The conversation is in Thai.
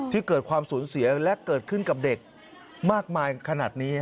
ที่เกิดความสูญเสียและเกิดขึ้นกับเด็กมากมายขนาดนี้